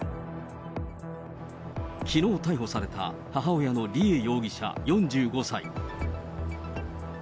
きのう逮捕された母親の梨恵容疑者４５歳。